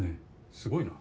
すごいな。